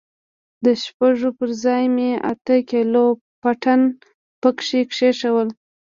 د شپږو پر ځاى مې اته کيلو پټن پکښې کښېښوول.